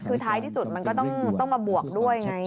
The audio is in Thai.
คือท้ายที่สุดมันก็ต้องมาบวกด้วยไง